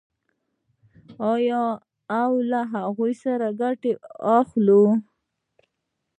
آیا او له هغو ګټه واخلو؟